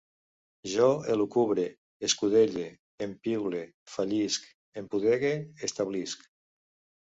Jo elucubre, escudelle, empiule, fallisc, empudegue, establisc